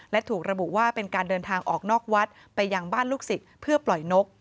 และถูกระบุว่าเป็นการเดินทางออกนอกวัดไปยังบ้านลูกศิษย์เพื่อปล่อยนก